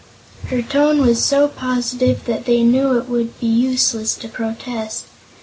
Her tone was so positive that they knew it would be useless to protest.